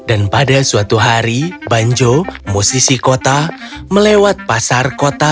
dan pada suatu hari banjo musisi kota melewat pasar kota